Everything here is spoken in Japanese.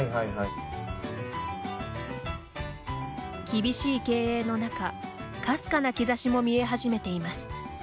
厳しい経営の中かすかな兆しも見え始めています。